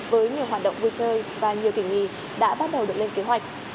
với nhiều hoạt động vui chơi và nhiều kỷ nghỉ đã bắt đầu được lên kế hoạch